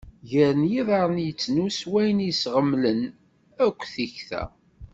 Gar yiḍarren i yettnus wayen i yesɣemlen akk tikta.